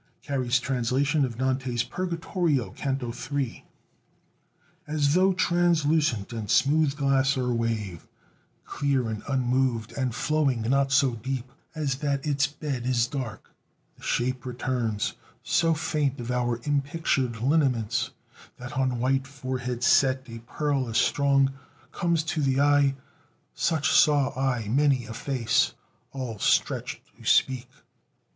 (Carey's translation of Dante's Purgatorio, Canto III.) As though translucent and smooth glass or wave Clear and unmoved, and flowing not so deep As that its bed is dark, the shape returns So faint of our impictured lineaments That on white forehead set, a pearl as strong Comes to the eye; such saw I many a face All stretch'd to speak.